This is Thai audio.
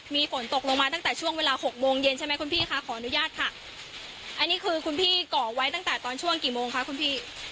มีฝนตกลงมาตั้งแต่ช่วงเวลาหกโมงเย็นใช่ไหมคุณพี่คะขออนุญาตค่ะอันนี้คือคุณพี่เกาะไว้ตั้งแต่ตอนช่วงกี่โมงคะคุณพี่